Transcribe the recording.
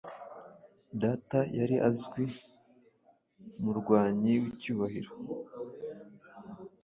Data yari azwiumurwanyi wicyubahiro